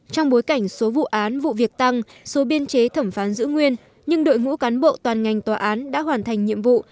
trong bối cảnh số vụ án vụ việc tăng số biên chế thẩm phán giữ nguyên nhưng đội ngũ cán bộ toàn ngành tòa án đã hoàn thành nhiệm vụ